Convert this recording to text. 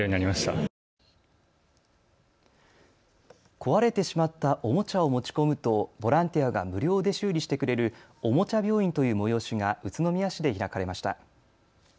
壊れてしまったおもちゃを持ち込むとボランティアが無料で修理してくれるおもちゃ病院という催しが宇都宮市で開かれました。